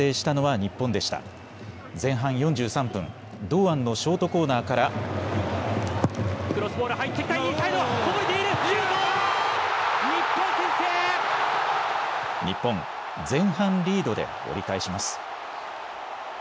日本、前半リードで折り返します。